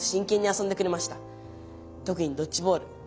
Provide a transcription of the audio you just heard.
とくにドッジボール。